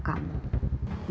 jangan kabur lagi karim